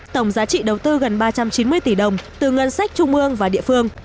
tổng giá trị đầu tư gần ba trăm chín mươi tỷ đồng từ ngân sách trung ương và địa phương